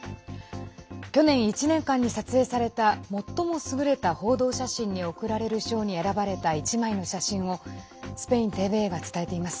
去年１年間に撮影された最も優れた報道写真に贈られる賞に選ばれた１枚の写真をスペインＴＶＥが伝えています。